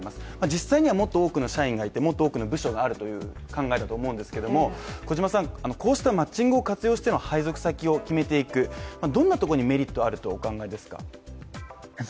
実際にはもっと多くの社員がいてもっと多くの部署があるという考えだと思うんですけれども、こうしたマッチングを活用しての配属先を決めていく、どんなとこにメリットがあるとお考えですか？